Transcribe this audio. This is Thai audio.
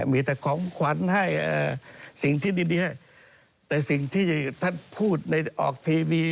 มีแต่ของขวัญให้สิ่งที่ดีให้แต่สิ่งที่ท่านพูดในออกทีวี